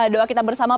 doa kita bersama